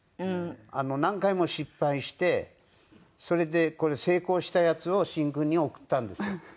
何回も失敗してそれでこれ成功したやつを審君に送ったんですよ。